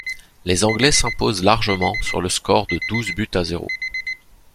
Les Anglais s'imposent largement sur le score de douze buts à zéro.